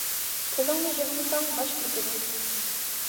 تىلىڭنى يىغمىساڭ باش كېتىدۇ.